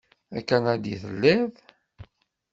D akanadi i telliḍ?